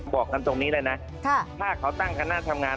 บอกกันตรงนี้เลยนะถ้าเขาตั้งคณะทำงาน